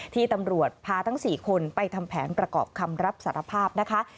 ที่ตำรวจพาทั้ง๔คนไปทำแผนประกอบคำรับสารภาพนะคะ